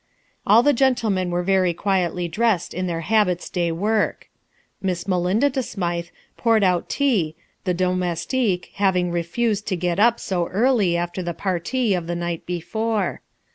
All the gentlemen were very quietly dressed in their habits de work. Miss Melinda De Smythe poured out tea, the domestique having refusé to get up so early after the partie of the night before.